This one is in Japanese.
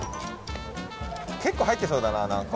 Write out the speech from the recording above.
結構入ってそうだな何か。